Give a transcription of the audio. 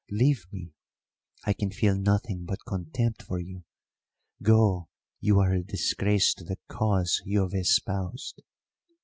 Leave me, I can feel nothing but contempt for you. Go; you are a disgrace to the cause you have espoused!"